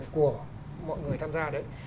của mọi người tham gia đấy